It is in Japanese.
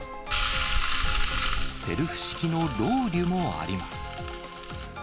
セルフ式のロウリュもあります。